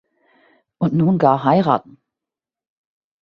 Und nun gar heiraten!